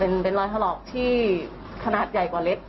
เป็นรอยถลอกที่ขนาดใหญ่กว่าเล็บ